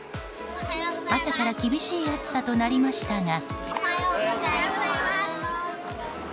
朝から厳しい暑さとなりましたが。